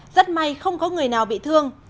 rất may không có người nào bị thương